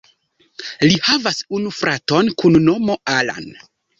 Li havas unu fraton kun nomo Alan.